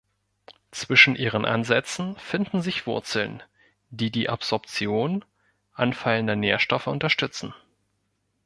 Zwischen ihren Ansätzen finden sich Wurzeln, die die Absorption anfallender Nährstoffe unterstützen.